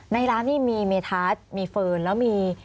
ในร้านนี้มีเมธาสมีเฟิร์นแล้วมี